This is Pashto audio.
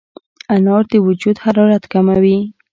انار د وجود حرارت کموي.